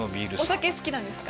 お酒好きなんですか？